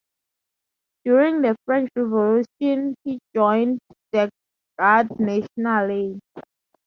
During the French Revolution, he joined the "Garde Nationale".